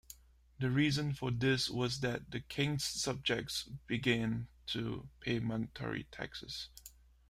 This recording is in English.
The reasons for this was that the king's subjects began to pay monetary taxes.